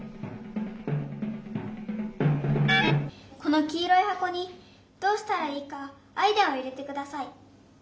このきいろいはこにどうしたらいいかアイデアを入れてください。